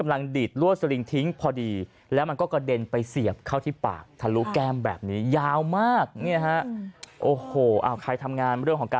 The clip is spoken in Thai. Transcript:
เราเป็นจอหวัดที่กำลังดีล่วนส์ที่ประดีแล้วมันก็กระเด็นไปเสียบเข้าที่ปากถามรู้แก้มแบบนี้ยาวมากเนี้ยดีนะ